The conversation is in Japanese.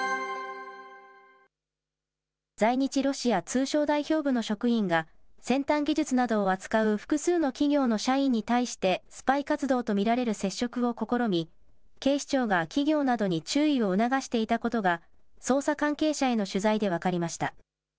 在日ロシア通商代表部の職員が、先端技術などを扱う複数の企業の社員に対してスパイ活動と見られる接触を試み、警視庁が企業などに注意を促していたことが、捜査関係者への取材で分かりました。